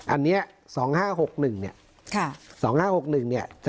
อันนี้๒๕๖๑เนี่ย๒๕๖๑เนี่ย